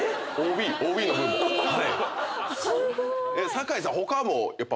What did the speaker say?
酒井さん。